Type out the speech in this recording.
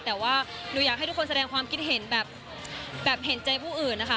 แต่ว่าหนูอยากให้ทุกคนแสดงความคิดเห็นแบบเห็นใจผู้อื่นนะคะ